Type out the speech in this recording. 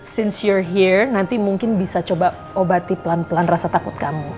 since you're here nanti mungkin bisa coba obati pelan pelan rasa takut kamu